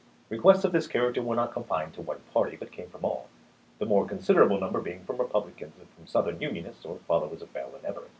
Requests of this character were not confined to one party, but came from all ; the more considerable number being from Repub licans and from Southern unionists or followers of Bell and Everett.